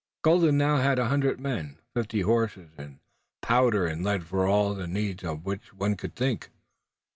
Colden now had a hundred men, fifty horses and powder and lead for all the needs of which one could think.